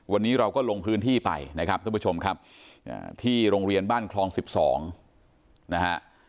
วันนี้เราก็ลงพื้นที่ไปนะครับท่านผู้ชมครับที่โรงเรียนบ้านคลอง๑๒นะฮะ